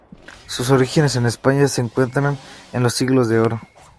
Sus orígenes en España se encuentran en los Siglos de Oro.